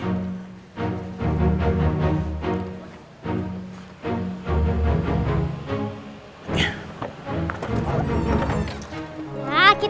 zwei ubergang anda bisa